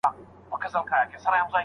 زموږ بریالیتوب په زده کړه کې دی.